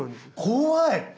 怖い。